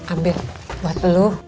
ambil buat lu